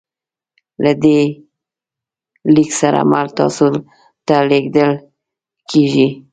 له دې لیک سره مل تاسو ته درلیږل کیږي